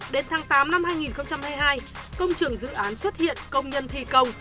đến tháng tám năm hai nghìn hai mươi hai công trường dự án xuất hiện công nhân thi công